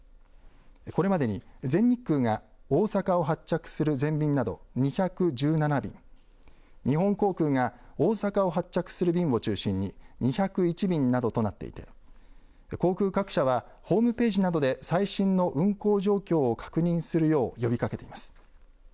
これまでに全日空が大阪を発着する全便など２１７便、日本航空が大阪を発着する便を中心に２０１便などとなっていて航空各社はホームページなどで最新の運航状況を確認するよう呼びかけています。